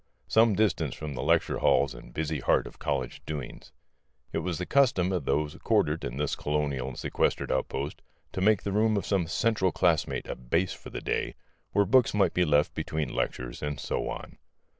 some distance from the lecture halls and busy heart of college doings. It was the custom of those quartered in this colonial and sequestered outpost to make the room of some central classmate a base for the day, where books might be left between lectures, and so on.